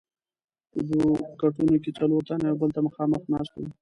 په دوو کټونو کې څلور تنه یو بل ته مخامخ ناست وو.